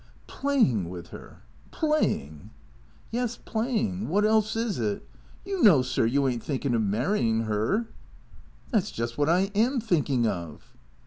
" Playing with her ? Playing ?"" Yes, playin'. "Wot else is it ? You know, sir, you ain't thinkin' of marryin' 'er." " That 's just what I am thinking of."